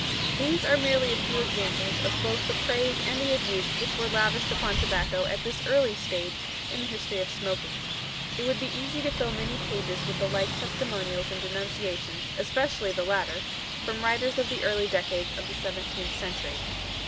_ These are merely a few examples of both the praise and the abuse which were lavished upon tobacco at this early stage in the history of smoking. It would be easy to fill many pages with the like testimonials and denunciations, especially the latter, from writers of the early decades of the seventeenth century.